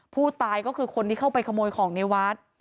ผู้ตายก็คือคนที่เข้าไปขโมยของในวัด